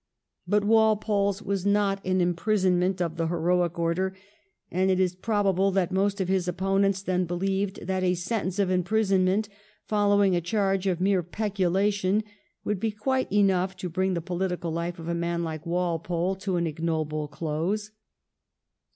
But Walpole's was not an imprisonment of the heroic order, and it is probable that most of his opponents then believed that a sentence of imprisonment following a charge of mere peculation would be quite enough to bring the political life of a man like Walpole to an ignoble close.